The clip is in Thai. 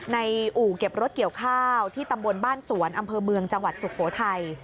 อู่เก็บรถเกี่ยวข้าวที่ตำบลบ้านสวนอำเภอเมืองจังหวัดสุโขทัย